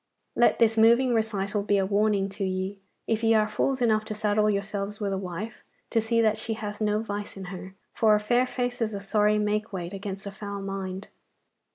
Let this moving recital be a warning to ye, if ye are fools enough to saddle yourselves with a wife, to see that she hath no vice in her, for a fair face is a sorry make weight against a foul mind.